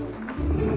うん。